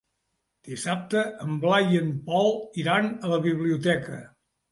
Dissabte en Blai i en Pol iran a la biblioteca.